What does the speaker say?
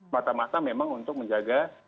mata mata memang untuk menjaga